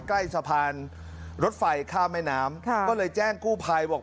ใกล้สะพานรถไฟข้ามแม่น้ำก็เลยแจ้งกู้ภัยบอก